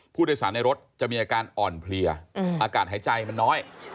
ผู้โดยสารในรถจะมีอาการอ่อนเพลียอากาศหายใจมันน้อย